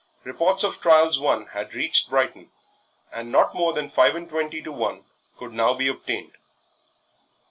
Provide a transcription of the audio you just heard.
Reports of trials won had reached Brighton, and not more than five and twenty to one could now be obtained.